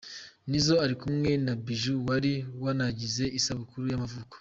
Nizzo ari kumwe na Bijoux wari wanagize isabukuru y’amavuko.